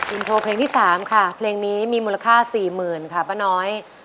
อินโทเพลงที่สามค่ะเพลงนี้มูลค่าสี่หมื่นค่ะป้าน้อย